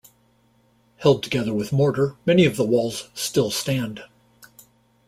Held together with mortar, many of the walls still stand.